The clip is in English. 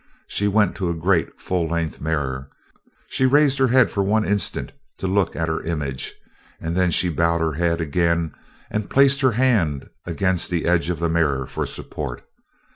She went to a great full length mirror. She raised her head for one instant to look at her image, and then she bowed her head again and placed her hand against the edge of the mirror for support.